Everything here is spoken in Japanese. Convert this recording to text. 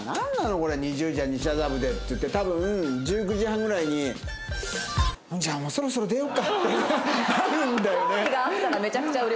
これ「２０時西麻布で！！！」っていって多分１９時半ぐらいにじゃあもうそろそろ出ようかってなるんだよね。